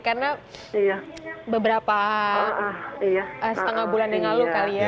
karena beberapa setengah bulan yang lalu kali ya